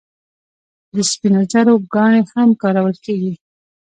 د سپینو زرو ګاڼې هم کارول کیږي.